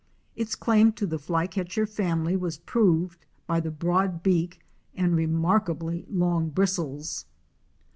Its claim to the Flycatcher family was proved by the broad beak and remarkably long bristles.